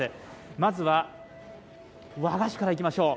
まずは和菓子からいきましょう。